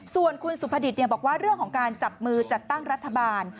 ส่วนคุณสุภดิตบอกว่าเรื่องของการจับมือจัดตั้งรัฐบาล